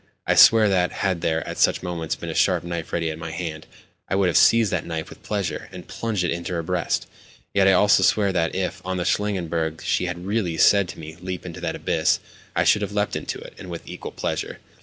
I swear that, had there, at such moments, been a sharp knife ready to my hand, I would have seized that knife with pleasure, and plunged it into her breast. Yet I also swear that if, on the Shlangenberg, she had really said to me, "Leap into that abyss," I should have leapt into it, and with equal pleasure.